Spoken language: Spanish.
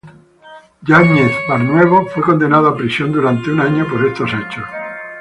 Yáñez-Barnuevo fue condenado a prisión durante un año por estos hechos.